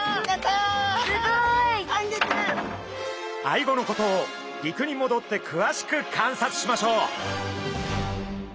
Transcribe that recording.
アイゴのことを陸にもどってくわしく観察しましょう。